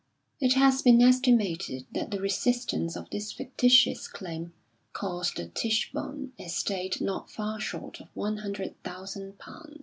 It has been estimated that the resistance of this fictitious claim cost the Tichborne estate not far short of one hundred thousand pounds.